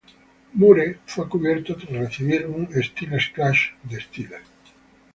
Moore fue cubierto tras recibir un "Styles Clash" de Styles.